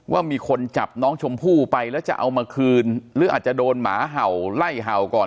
ว่ามีคนจับน้องชมพู่ไปแล้วจะเอามาคืนหรืออาจจะโดนหมาเห่าไล่เห่าก่อน